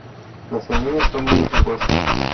Las semillas son muy rugosas.